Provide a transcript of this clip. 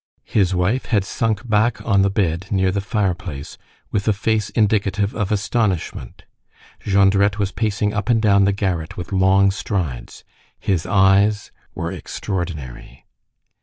His wife had sunk back on the bed near the fireplace, with a face indicative of astonishment. Jondrette was pacing up and down the garret with long strides. His eyes were extraordinary.